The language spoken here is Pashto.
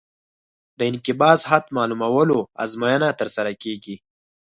د انقباض حد معلومولو ازموینه ترسره کیږي